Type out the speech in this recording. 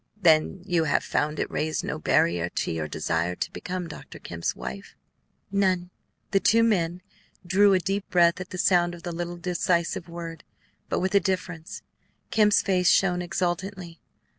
"Then you have found it raised no barrier to your desire to become Dr. Kemp's wife?" "None." The two men drew a deep breath at the sound of the little decisive word, but with a difference. Kemp's face shone exultantly.